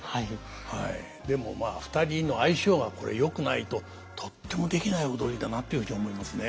でもまあ２人の相性がこれよくないととってもできない踊りだなっていうふうに思いますね。